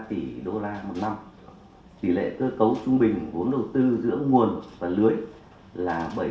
tỷ lệ cơ cấu trung bình vốn đầu tư giữa nguồn và lưới là bảy hai đến hai mươi tám